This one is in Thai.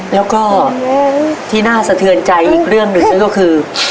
แล้วก็ที่น่าสะเทือนใจอีกเรื่องหนึ่งนั่นก็คือ